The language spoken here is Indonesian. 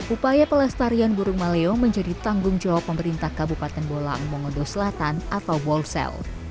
upaya pelestarian burung maleo menjadi tanggung jawab pemerintah kabupaten bolaang mongodo selatan atau bolsel